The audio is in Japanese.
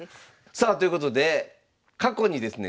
さあということで過去にですね